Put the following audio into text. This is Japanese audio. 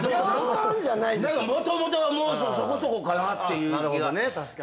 何かもともとはそこそこかなっていう気が。